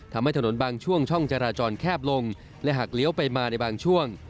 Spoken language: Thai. ทำให้ถนนบางช่วงช่องจราจรแคบลงและหากเลี้ยวไปมาในบางช่วง